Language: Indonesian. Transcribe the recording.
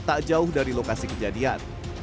tak jauh dari lokasi kejadian